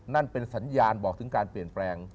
นั่นเป็นสัญญาณบอกถึงการเปลี่ยนแปลง